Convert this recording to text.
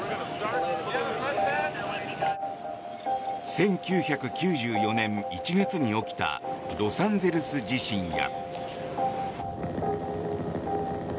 １９９４年１月に起きたロサンゼルス地震や。